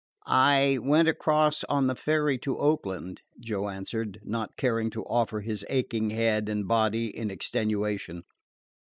"I went across on the ferry to Oakland," Joe answered, not caring to offer his aching head and body in extenuation.